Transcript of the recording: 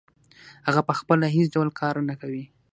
هغه پخپله هېڅ ډول کار نه کوي